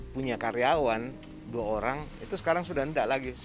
punya karyawan dua orang itu sekarang sudah tidak lagi